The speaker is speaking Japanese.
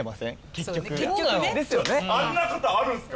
結局結局ねあんなことあるんすか？